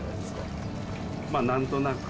まあなんとなく。